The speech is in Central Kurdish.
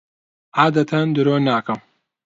عادەتەن درۆ ناکەم.